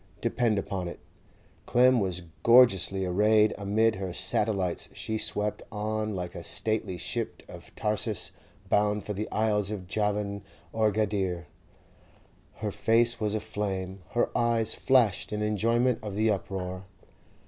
Depend upon it, Clem was gorgeously arrayed; amid her satellites she swept on 'like a stately ship of Tarsus, bound for the isles of Javan or Gadire;' her face was aflame, her eyes flashed in enjoyment of the uproar.